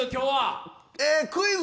クイズ。